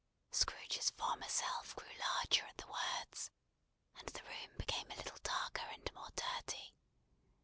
Scrooge's former self grew larger at the words, and the room became a little darker and more dirty.